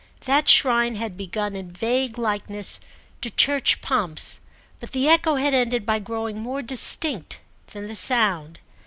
That shrine had begun in vague likeness to church pomps, but the echo had ended by growing more distinct than the sound.